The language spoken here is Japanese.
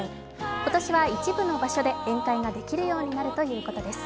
今年は一部の場所で宴会ができるようになるということです。